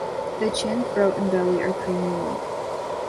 The chin, throat and belly are creamy white.